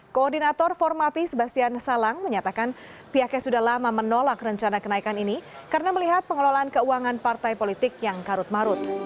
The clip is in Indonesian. koordinator formapi sebastian salang menyatakan pihaknya sudah lama menolak rencana kenaikan ini karena melihat pengelolaan keuangan partai politik yang karut marut